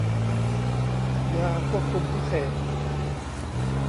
ยาควบคุมพิเศษ